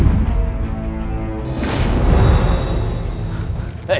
kita harus segera kesini